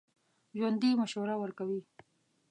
ژوندي مشوره ورکوي